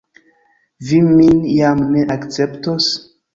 Vi min jam ne akceptos?